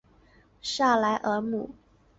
萨莱尔姆。